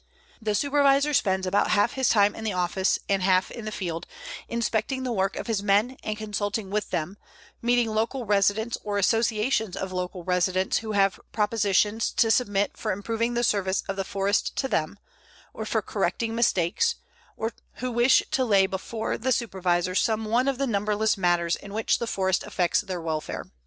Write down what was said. The Supervisor spends about half his time in the office and half in the field, inspecting the work of his men and consulting with them, meeting local residents or associations of local residents who have propositions to submit for improving the service of the forest to them, or for correcting mistakes, or who wish to lay before the Supervisor some one of the numberless matters in which the forest affects their welfare.